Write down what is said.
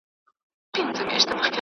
عقل له احساسه جلا دی.